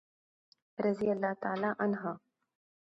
رضي الله تعالی عنه.